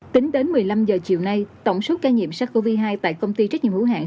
tính đến một mươi năm giờ chiều nay tổng số ca nhiệm sắc covid hai tại công ty trách nhiệm hữu hạng